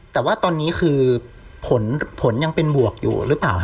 แต่ว่าตอนนี้คือผลยังเป็นบวกอยู่หรือเปล่า